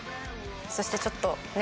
そしてちょっとね。